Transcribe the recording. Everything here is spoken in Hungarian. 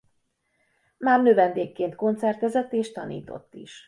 Már növendékként koncertezett és tanított is.